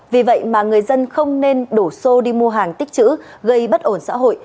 vì vậy mà người dân không nên đổ xô đi mua hàng tích chữ gây bất ổn xã hội